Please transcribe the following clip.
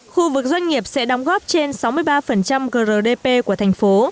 khu vực doanh nghiệp sẽ đóng góp trên sáu mươi ba grdp của thành phố